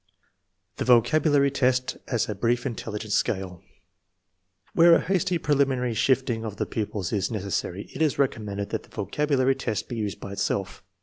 The vocabulary test as a brief intelligence scale. Where a hasty preliminary sifting of the pupils is necessary it is recommended that the vocabulary test be used by itself.